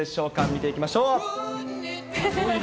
見ていきましょう。